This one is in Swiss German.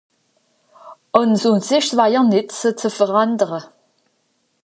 Àn ùns ìsch ’s wajer nìtt se ze verändere.